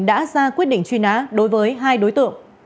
đã ra quyết định truy nã đối với hai đối tượng